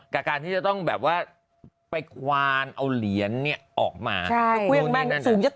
กับการที่จะต้องแบบว่าไปควานเอาเหรียญเนี่ยออกมาคุยกับแม่งสูงจะตาย